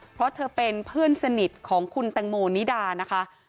เพราะเธอเป็นเพื่อนสนิทของคุณแตงโมนิดานะคะ